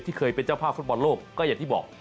เคยเป็นเจ้าภาพฟุตบอลโลกก็อย่างที่บอก